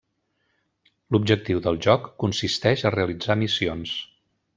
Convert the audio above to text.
L'objectiu del joc consisteix a realitzar missions.